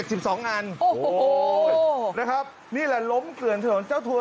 โอ้โหนะครับนี่แหละล้มเกือนของเจ้าตัว